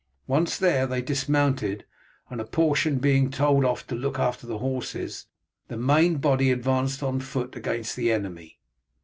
Once there they dismounted, and a portion being told off to look after the horses, the main body advanced on foot against the enemy.